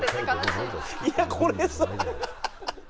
いやこれさ。